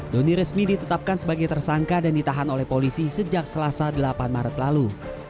doni resmi ditetapkan sebagai tersangka dan ditahan oleh polisi sejak selasa delapan maret lalu